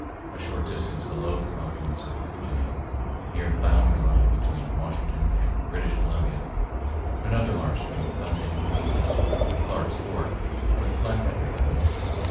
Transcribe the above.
A short distance below the confluence of the Kootenay, near the boundary line between Washington and British Columbia, another large stream comes in from the east, Clarke's Fork, or the Flathead River.